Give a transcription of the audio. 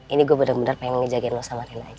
ini gue bener bener pengen ngejagain lo sama rena aja